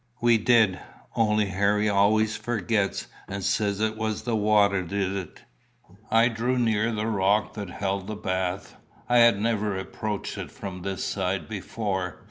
"We did; only Harry always forgets, and says it was the water did it." I drew near the rock that held the bath. I had never approached it from this side before.